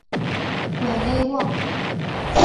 韦勒旺。